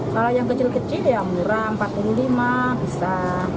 kalau yang kecil kecil ya murah rp empat puluh lima bisa